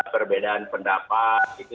perbedaan pendapat itu